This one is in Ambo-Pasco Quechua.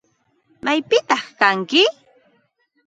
¿Maypitataq kanki?